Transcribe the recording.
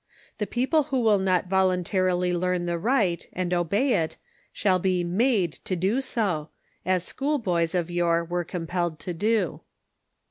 The people who will not voluntarily learn tlie right and obey it shall be made to do so, as school boys of yore were compelled to do.